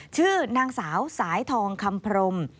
ชื่อนางสาวสายทองคำพรม